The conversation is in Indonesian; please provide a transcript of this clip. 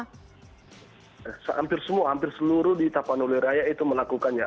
hampir semua hampir seluruh di tapanuliraya itu melakukannya